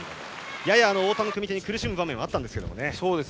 やや太田の組み手に苦しむ場面はあったんですが。